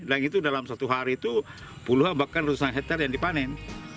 leng itu dalam satu hari itu puluhan bahkan ratusan hektare yang dipanen